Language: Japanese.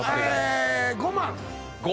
５万！